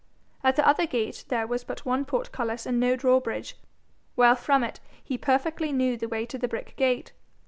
At the other gate there was but one portcullis and no drawbridge, while from it he perfectly knew the way to the brick gate.